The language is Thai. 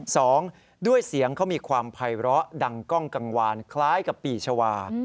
สองด้วยเสียงเขามีความภัยร้อดังกล้องกังวานคล้ายกับปีชาวา